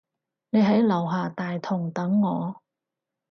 你喺樓下大堂等我